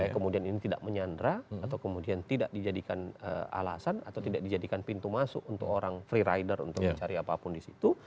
kemudian ini tidak menyandra atau kemudian tidak dijadikan alasan atau tidak dijadikan pintu masuk untuk orang free rider untuk mencari apapun di situ